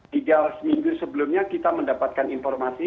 tiga seminggu sebelumnya kita mendapatkan informasi